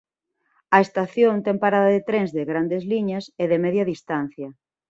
A estación ten parada de trens de Grandes Liñas e de Media distancia.